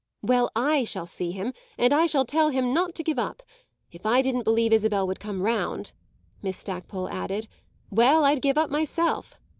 "Well, I shall see him, and I shall tell him not to give up. If I didn't believe Isabel would come round," Miss Stackpole added "well, I'd give up myself.